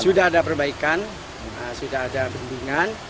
sudah ada perbaikan sudah ada bendungan